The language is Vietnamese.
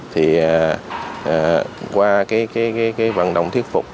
thì qua cái vận động thiết phục đối tượng long đối tượng long đã tìm được đối tượng long